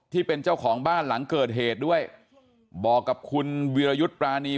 ที่เป็นเจ้าของบ้านหลังเกิดเหตุด้วยบอกกับคุณวีรยุทธ์ปรานี